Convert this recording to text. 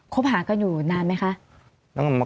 บหากันอยู่นานไหมคะ